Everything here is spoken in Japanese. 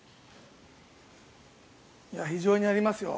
非常にありますよ。